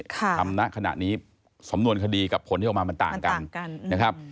ทำณะขณะนี้สำนวนคดีกับผลที่ออกมามันต่างกัน